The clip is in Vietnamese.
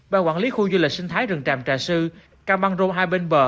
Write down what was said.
bà quản lý khu du lịch sinh thái rừng tràm trà sư cam ban rô hai bên bờ